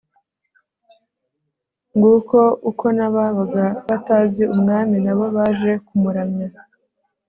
nguko uko n'ababaga batazi umwami na bo baje kumuramya